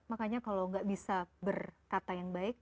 makanya kalau gak bisa berkata yang baik